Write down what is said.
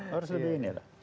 harus lebih ini lah